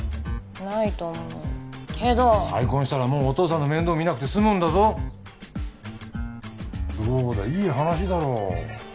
ないと思うけど再婚したらもうお父さんの面倒見なくて済むんだぞどうだいい話だろ？